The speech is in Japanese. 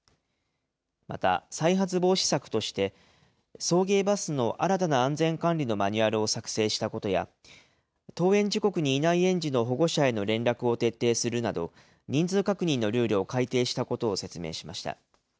また、再発防止策として、送迎バスの新たな安全管理のマニュアルを作成したことや、登園時刻にいない園児の保護者への連絡を徹底するなど、人数確認のルールを改定したことを説明しました。